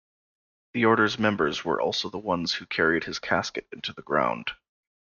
The order's members were also the ones who carried his casket into the ground.